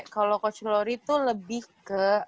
kalau coach lori itu lebih ke